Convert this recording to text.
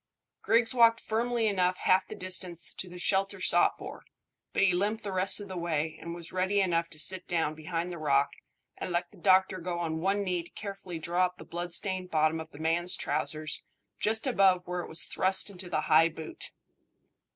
Griggs walked firmly enough half the distance to the shelter sought for, but he limped the rest of the way, and was ready enough to sit down behind the rock and let the doctor go on one knee to carefully draw up the bloodstained bottom of the man's trousers just above where it was thrust into the high boot.